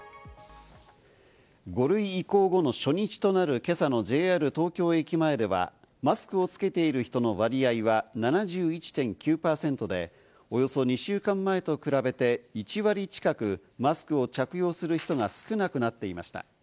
５類移行後の初日となる今朝のＪＲ東京駅前では、マスクをつけている人の割合は７１．９％で、およそ２週間前と比べて１割近く、マスクを着用する人が少なくなっていました。